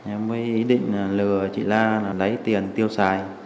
em với ý định lừa chị na là lấy tiền tiêu xài